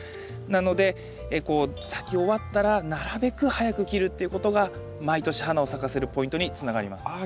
なので咲き終わったらなるべく早く切るっていうことが毎年花を咲かせるポイントにつながります。